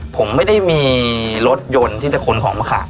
ผมไม่ได้มีรถยนต์ที่จะขนของมาขาย